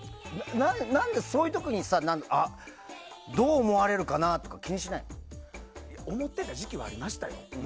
何で、そういう時にさどう思われるかなとか思ってた時期はありましたよ。